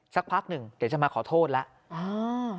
สักพักหนึ่งเดี๋ยวจะมาขอโทษแล้ว